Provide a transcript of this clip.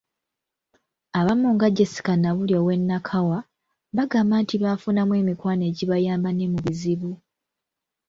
Abamu nga Jesca Nabulya ow’e Nakawa, bagamba nti baafunamu emikwano egibayamba ne mu bizibu.